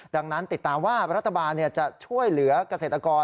ดังนั้นติดตามว่ารัฐบาลจะช่วยเหลือกเกษตรกร